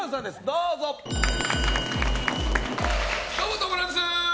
どうも、トム・ブラウンです。